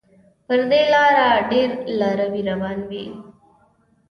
پر دې لاره ډېر لاروي روان وي.